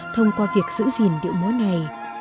thông qua việc giữ gìn điệu múa này